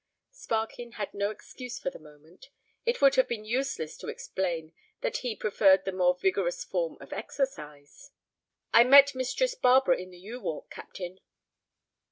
Sparkin had no excuse for the moment. It would have been useless to explain that he preferred the more vigorous form of exercise. "I met Mistress Barbara in the yew walk, captain."